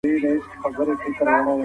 پانګوال نظام د بډايه کېدو هڅه کوي.